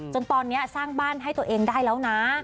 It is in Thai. จนตอนนี้สร้างบ้านให้ตัวเองได้แล้วนะ